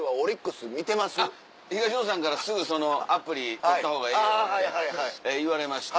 東野さんからすぐそのアプリ取った方がええよ言われまして。